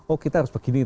oh kita harus begini